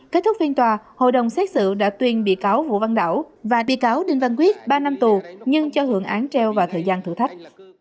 kết thúc phiên tòa hội đồng xét xử đã tuyên bị cáo vũ văn đảo và bị cáo đinh văn quyết ba năm tù nhưng cho hưởng án treo vào thời gian thử thách